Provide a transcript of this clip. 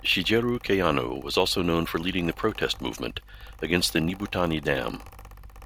Shigeru Kayano was also known for leading the protest movement against the Nibutani Dam.